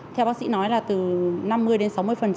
theo bác sĩ nói là từ năm mươi đến sáu mươi